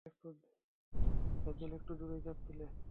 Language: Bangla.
হ্যাজেল, একটু জোরেই চাপ দিলে।